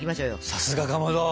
さすがかまど！